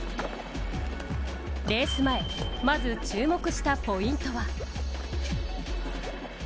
レース前、まず注目したポイントは。